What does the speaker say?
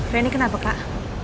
rendi kenapa pak